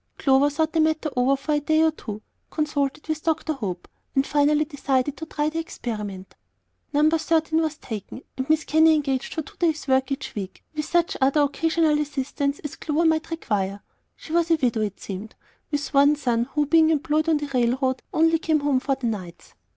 Clover thought the matter over for a day or two, consulted with Dr. Hope, and finally decided to try the experiment. No. 13 was taken, and Mrs. Kenny engaged for two days' work each week, with such other occasional assistance as Clover might require. She was a widow, it seemed, with one son, who, being employed on the railroad, only came home for the nights.